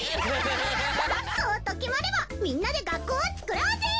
そうと決まればみんなで学校をつくろうぜ。